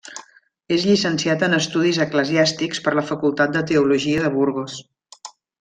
És llicenciat en Estudis Eclesiàstics per la Facultat de Teologia de Burgos.